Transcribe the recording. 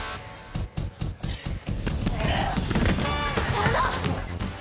佐野！